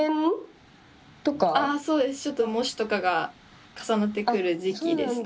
ちょっと模試とかが重なってくる時期ですね。